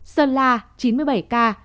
sơn la chín mươi bảy ca